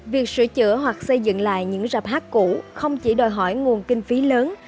việc sửa chữa hoặc xây dựng lại những rạp hát cũ không chỉ đòi hỏi nguồn kinh phí lớn